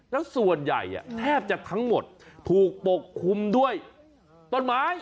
แล้วส่วนใหญ่แทบจะทั้งหมดถูกปกคลุมด้วยต้นไม้